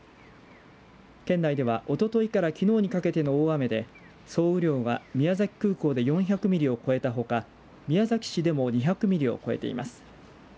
県内では、おとといからきのうにかけての大雨で総雨量は宮崎空港で４００ミリを超えたほか宮崎市でも２００ミリを超えています。